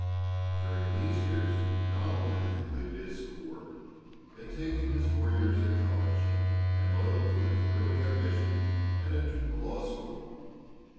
During these years Donald had completed his school work; had taken his four years at college; and loyal to his early ambition, had entered the Law School.